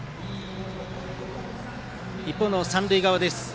一方の三塁側です。